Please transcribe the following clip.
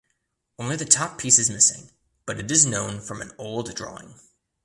Only the top piece is missing but it is known from an old drawing.